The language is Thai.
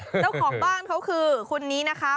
เจ้าของบ้านเขาคือคนนี้นะคะ